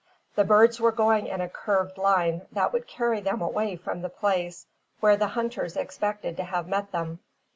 The birds were going in a curved line that would carry them away from the place where the hunters expected to have met them.